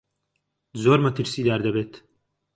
زۆر مەترسیدار دەبێت.